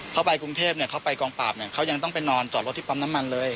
เขาไปกรุงเทพเขาไปกองปราบเนี่ยเขายังต้องไปนอนจอดรถที่ปั๊มน้ำมันเลย